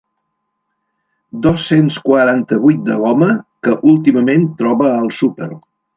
Dos-cents quaranta-vuit de goma que últimament troba al súper.